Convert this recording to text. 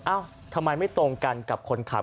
ทำไมไม่ตรงกันกับคนขับ